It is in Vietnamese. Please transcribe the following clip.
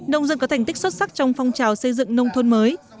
nông dân có thành tích xuất sắc trong phong trào xây dựng nông thôn mới